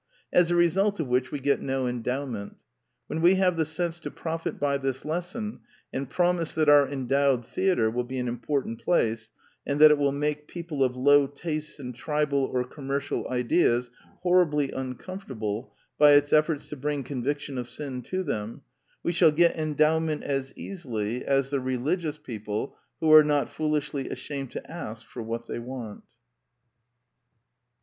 As a result of which we get no endowment. When we have the sense to profit by this lesson and promise that our en dowed theatre will be an important place, and that it will make people of low tastes and tribal or commercial ideas horribly uncomfortable by its efforts to bring conviction of sin to them, we shall get endowment as easily as the religious people who are not foolishly ashamed to ask for what they want.